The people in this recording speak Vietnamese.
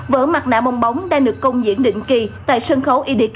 vỡ mặt nạ bong bóng đang được công diễn định kỳ tại sân khấu edcap tp hcm